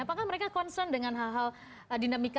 apakah mereka concern dengan hal hal dinamika